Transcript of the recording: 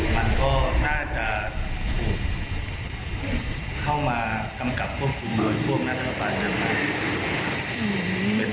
มันก็น่าจะถูกเข้ามากำกับควบคุมโดยพวกรัฐบาลนะครับ